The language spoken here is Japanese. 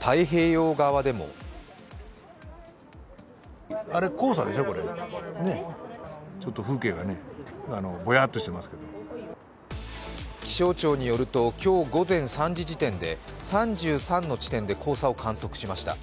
太平洋側でも気象庁によると今日午前３時時点で３３の地点で黄砂を観測しました。